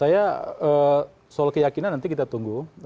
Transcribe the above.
saya soal keyakinan nanti kita tunggu